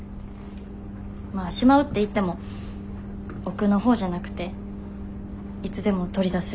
まあしまうって言っても奥のほうじゃなくていつでも取り出せるとこに。